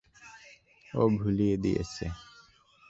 ও ভুলিয়ে দিয়েছে!